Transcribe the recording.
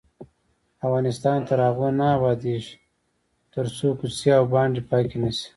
افغانستان تر هغو نه ابادیږي، ترڅو کوڅې او بانډې پاکې نشي.